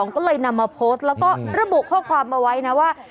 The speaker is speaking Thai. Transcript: ก็เลยนำมาโพสต์แล้วก็ระบุข้อความเอาไว้นะว่า